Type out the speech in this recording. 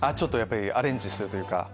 アレンジするというか？